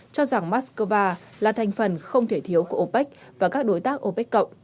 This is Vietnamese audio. cho rằng moscow là thành phần không thể thiếu của opec và các đối tác opec cộng